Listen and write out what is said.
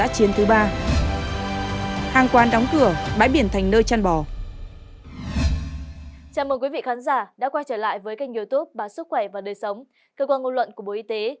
chào mừng quý vị khán giả đã quay trở lại với kênh youtube báo sức khỏe và đời sống cơ quan ngôn luận của bộ y tế